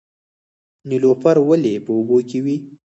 نیلوفر ولې په اوبو کې وي؟